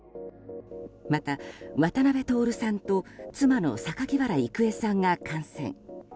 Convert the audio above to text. また渡辺徹さんと妻の榊原郁恵さんが感染。